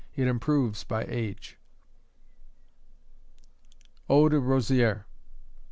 It improves by age. _Eau de Rosieres.